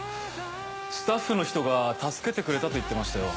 スタッフの人が助けてくれたと言ってましたよ。